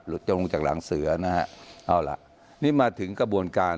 จงลงจากหลังเสือนะฮะเอาล่ะนี่มาถึงกระบวนการ